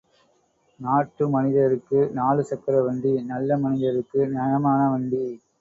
நாட்டு மனிதருக்கு நாலு சக்கர வண்டி! நல்ல மனிதருக்கு நயமான வண்டி!.